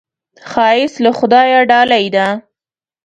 ښایست له خدایه ډالۍ ده